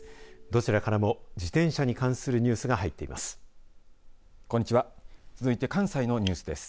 どちらからも自転車に関するニュースが入っています。